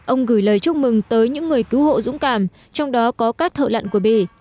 ông gửi lời chúc mừng tới những người cứu hộ dũng cảm trong đó có các thợ lặn của bì